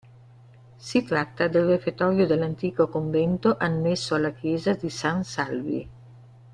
Si tratta del refettorio dell'antico convento annesso alla chiesa di San Salvi.